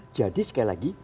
jadi sekali lagi